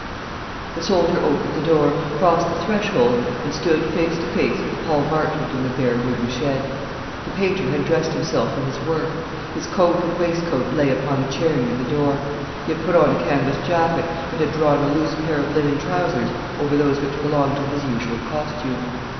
The soldier opened the door, crossed the threshold, and stood face to face with Paul Marchmont in the bare wooden shed. The painter had dressed himself for his work. His coat and waistcoat lay upon a chair near the door. He had put on a canvas jacket, and had drawn a loose pair of linen trousers over those which belonged to his usual costume.